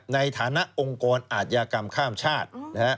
ในฐานะองค์กรอาธิกรรมข้ามชาติ